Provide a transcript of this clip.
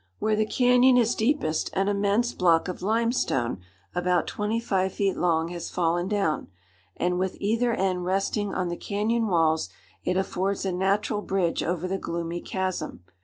Where the canyon is deepest an immense block of limestone about twenty five feet long has fallen down, and with either end resting on the canyon walls, it affords a natural bridge over the gloomy chasm.